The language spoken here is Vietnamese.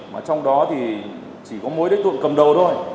mà trong đó thì chỉ có mỗi đối tượng cầm đầu thôi